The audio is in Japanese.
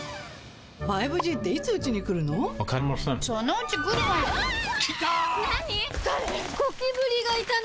５Ｇっていつうちに来るの？